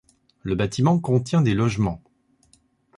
Le bâtiment contient des logements.